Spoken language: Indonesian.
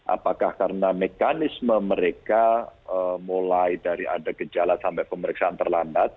apakah karena mekanisme mereka mulai dari ada gejala sampai pemeriksaan terlambat